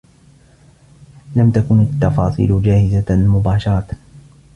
لم تكن التفاصيل جاهزة مباشرة.